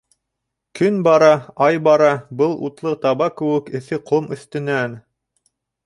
Көн бара, ай бара был утлы таба кеүек эҫе ҡом өҫтөнән.